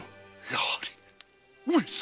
やはり上様！